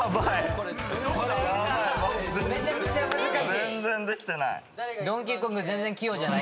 全然できてない。